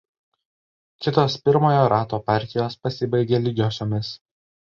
Kitos pirmojo rato partijos pasibaigė lygiosiomis.